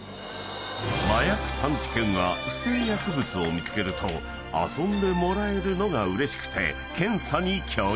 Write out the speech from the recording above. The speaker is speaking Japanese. ［麻薬探知犬は不正薬物を見つけると遊んでもらえるのがうれしくて検査に協力］